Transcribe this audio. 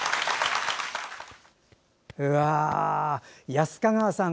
安ヵ川さん